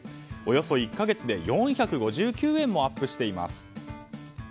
およそ１か月で４５９円もアップしています。